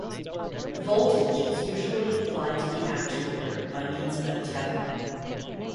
The voltage is usually applied to the actuator by means of a 'tether'.